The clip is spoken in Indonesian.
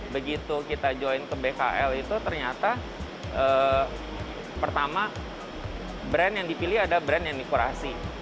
begitu kita join ke bkl itu ternyata pertama brand yang dipilih ada brand yang dikurasi